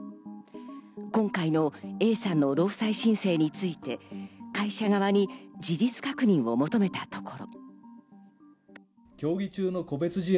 今回のＡさんの労災申請について会社側に事実確認を求めたところ。